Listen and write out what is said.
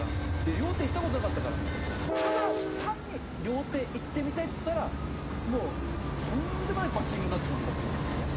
料亭行った事なかったからただ単に「料亭行ってみたい」っつったらもうとんでもないバッシングになってしまったっていう事なんですけどね。